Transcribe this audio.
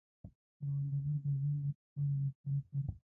کروندګر د ژوند د ښه والي لپاره کار کوي